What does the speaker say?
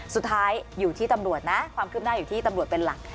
สุดท้ายความขึ้นหน้าอยู่ที่ตำรวจเป็นหลัก